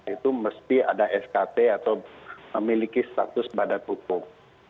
itu mesti ada skt atau memiliki status badan hukum